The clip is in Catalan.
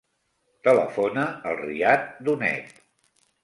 Telefona al Riad Donet.